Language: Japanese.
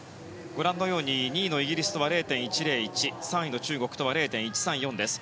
２位のイギリスとは０．１０１３位の中国とは０．１３４です。